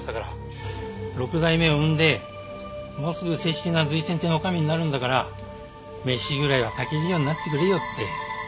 ６代目を産んでもうすぐ正式な瑞泉亭の女将になるんだから飯ぐらいは炊けるようになってくれよって。